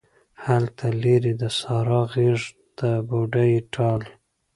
هلته لیرې د سارا غیږ د بوډۍ ټال